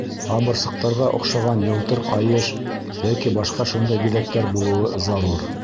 Ҡабырсыҡтарға оҡшаған йылтыр ҡайыш йәки башҡа шундай биҙәктәр булыуы зарур.